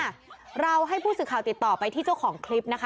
เราให้ผู้สื่อข่าวติดต่อไปที่เจ้าของคลิปนะคะ